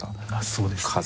そうですね。